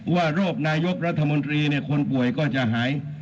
ว่าโรคนายกรัฐมนตรีคนป่วยก็จะหาย